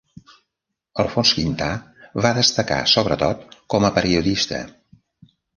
Alfons Quintà va destacar sobretot com a periodista.